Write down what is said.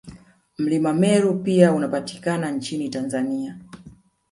Mlima Meru pia unapatikana nchini Tanzania